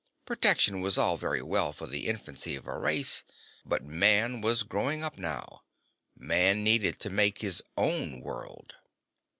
Protection was all very well for the infancy of a race, but man was growing up now. Man needed to make his own world.